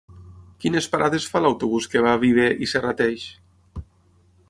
Quines parades fa l'autobús que va a Viver i Serrateix?